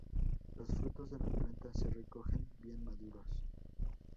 Los frutos de la planta se recogen bien maduros.